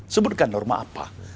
sebutkan norma apa